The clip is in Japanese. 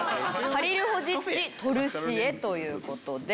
「ハリルホジッチ」「トルシエ」という事で。